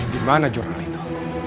di mana jurnal itu